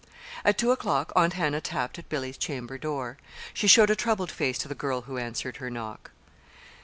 At two o'clock Aunt Hannah tapped at Billy's chamber door. She showed a troubled face to the girl who answered her knock.